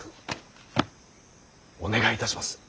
お願いいたします。